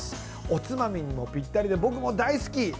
おつまみにもぴったりで僕も大好き！